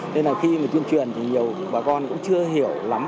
nên là khi mà tuyên truyền thì nhiều bà con cũng chưa hiểu lắm